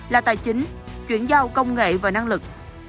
là tài chính chuyển giao công nghệ và năng lực